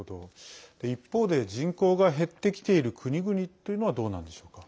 一方で、人口が減ってきている国々というのはどうなんでしょうか。